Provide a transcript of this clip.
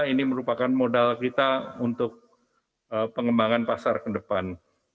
ini merupakan modal kita untuk pengembangan pasar ke depan